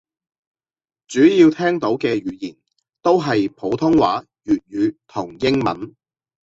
主要聽到嘅語言都係普通話粵語同英文